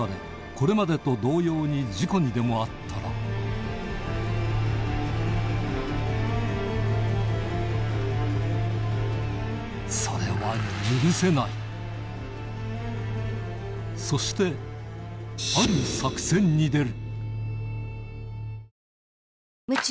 これまでと同様に事故にでも遭ったらそれはそしてある作戦に出る